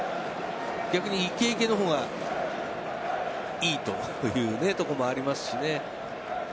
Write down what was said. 逆にいけいけの方がいいというところもありますしね。